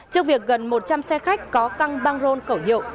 trước việc gần một trăm linh xe khách có căng băng rôn khẩu hiệu